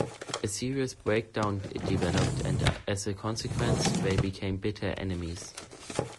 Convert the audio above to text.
A serious breakdown developed and as a consequence, they became bitter enemies.